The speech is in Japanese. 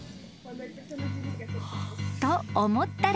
［と思ったら］